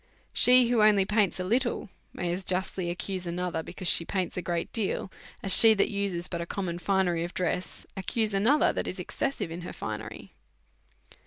She that only paints a little may as justly ac cuse another^ because she paints a great deal ; as she that uses but a common finery of dress, accuses ano th. '' tiiat is excessive in her finery.